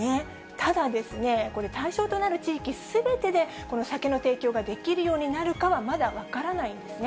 ただですね、これ、対象となる地域すべてで酒の提供ができるようになるかは、まだ分からないんですね。